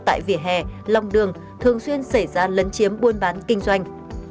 tại vỉa hè lòng đường thường xuyên xảy ra lấn chiếm buôn bán kinh doanh